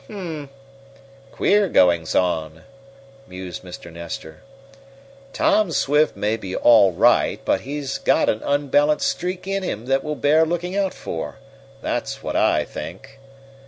"Hum! Queer goings on," mused Mr. Nestor. "Tom Swift may be all right, but he's got an unbalanced streak in him that will bear looking out for, that's what I think!"